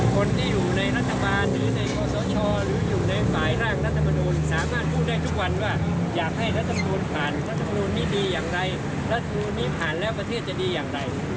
กับภูมิมาตรการต่างหลายอย่าง